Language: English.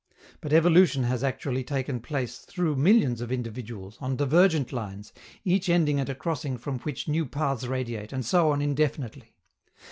But evolution has actually taken place through millions of individuals, on divergent lines, each ending at a crossing from which new paths radiate, and so on indefinitely.